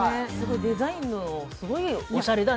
デザインもすごいおしゃれだね。